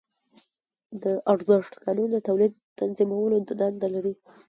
د ارزښت قانون د تولید تنظیمولو دنده لري